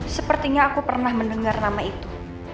sepertinya aku pernah mendengar nama itu